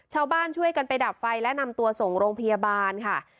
ชาวบ้านช่วยกันไปดับไฟและนำตัวส่งโรงพยาบาลค่ะ